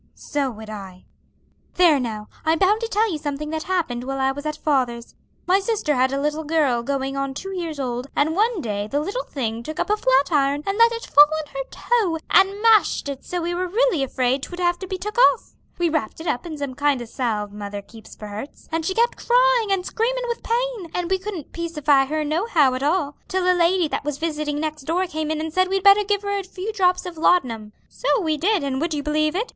"So would I. There now, I'm bound to tell you something that happened while I was at father's. My sister had a little girl going on two years old, and one day the little thing took up a flat iron, and let it fall on her toe, and mashed it so we were really afraid 'twould have to be took off. We wrapped it up in some kind o' salve mother keeps for hurts, and she kept crying and screamin' with pain, and we couldn't peacify her nohow at all, till a lady that was visiting next door come in and said we'd better give her a few drops of laud'num. So we did, and would you believe it?